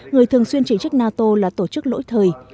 người thường xuyên chỉ trích nato là tổ chức lỗi thời